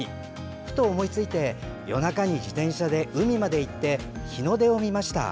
ふと思いついて夜中に自転車で海まで行って日の出を見ました。